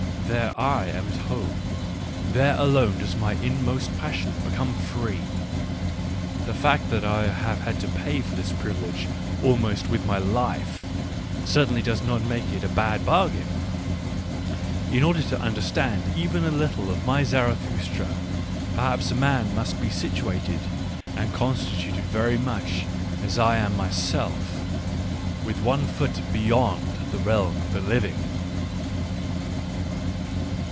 There I am at home, there alone does my inmost passion become free. The fact that I had to pay for this privilege almost with my life, certainly does not make it a bad bargain. In order to understand even a little ofmyZarathustra, perhaps a man must be situated and constituted very much as I am my self — with one foot beyond the realm of the living.